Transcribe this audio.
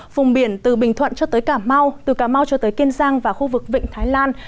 vùng biển từ bình thuận cho tới cà mau từ cà mau cho tới kiên giang và khu vực vịnh thái lan